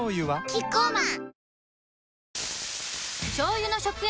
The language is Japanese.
キッコーマン